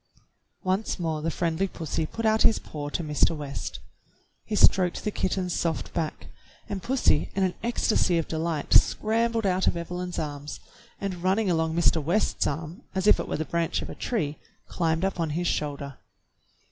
Once more the friendly pussy put out his paw to Mr. West. He stroked the kitten's soft back, and pussy in an ecstasy of delight scrambled out of Eve lyn's arms, and running along Mr. West's arm as if it were the branch of a tree climbed up on his shoulder.